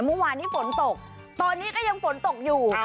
เมื่อวานนี้ฝนตกตอนนี้ก็ยังฝนตกอยู่